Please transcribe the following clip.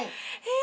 え！